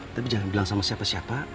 tapi jangan bilang sama siapa siapa